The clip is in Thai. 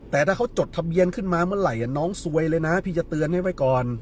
แต่ถ้าเขาจดทะเบียนขึ้นมาเมื่อไหร่น้องซวยเลยนะพี่จะเตือนให้ไว้ก่อน